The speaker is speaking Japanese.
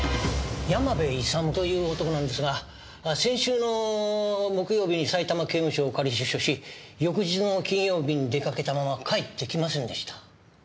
山部勇という男なんですが先週の木曜日にさいたま刑務所を仮出所し翌日の金曜日に出かけたまま帰ってきませんでした。